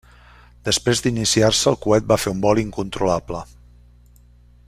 Després d'iniciar-se el coet fa un vol incontrolable.